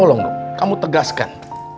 tolong dok kamu tegaskan